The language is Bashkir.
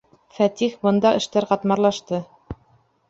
Фәтих, бында эштәр ҡатмарлашты.